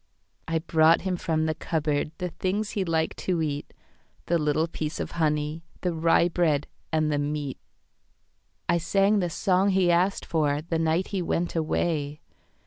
I brought him from the cupboardThe things he liked to eat,—The little piece of honey, The rye bread and the meat.I sang the song he asked forThe night he went away.